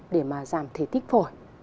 để mà giảm thể tích phổi